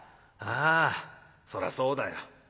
ああそらそうだよ。